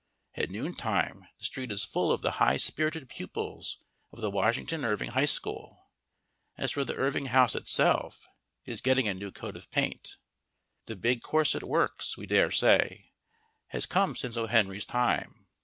At noontime the street is full of the high spirited pupils of the Washington Irving High School. As for the Irving house itself, it is getting a new coat of paint. The big corset works, we dare say, has come since O. Henry's time.